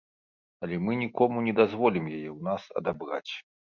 Але мы нікому не дазволім яе ў нас адабраць.